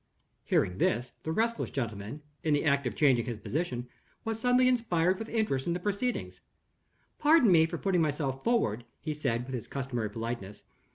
Hearing this, the restless gentleman (in the act of changing his position) was suddenly inspired with interest in the proceedings. "Pardon me for putting myself forward," he said, with his customary politeness.